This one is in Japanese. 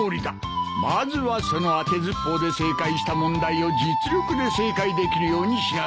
まずはその当てずっぽうで正解した問題を実力で正解できるようにしなさい。